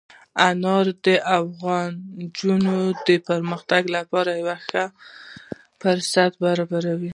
انار د افغان نجونو د پرمختګ لپاره ښه فرصتونه برابروي.